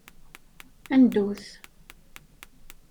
Ad neddut.